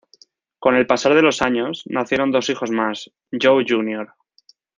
Con el pasar de los años nacieron dos hijos más: Joe jr.